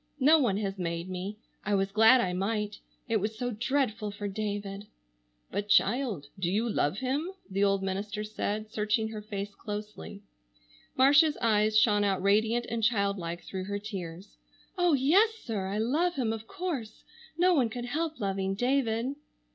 No one has made me. I was glad I might. It was so dreadful for David!" "But child, do you love him?" the old minister said, searching her face closely. Marcia's eyes shone out radiant and child like through her tears. "Oh, yes, sir! I love him of course. No one could help loving David."